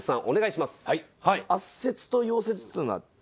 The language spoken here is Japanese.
お願いします。